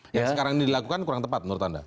yang sekarang ini dilakukan kurang tepat menurut anda